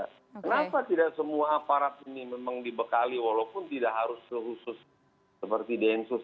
kenapa tidak semua aparat ini memang dibekali walaupun tidak harus khusus seperti densus